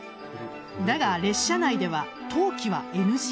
だが、列車内では陶器はＮＧ。